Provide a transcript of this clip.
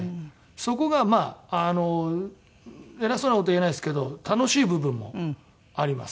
そこがまあ偉そうな事は言えないですけど楽しい部分もあります。